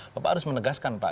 bapak harus menegaskan pak